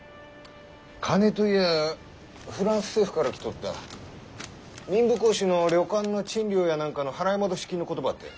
金といやぁフランス政府から来とった民部公子の旅館の賃料やなんかの払い戻し金のことばってん。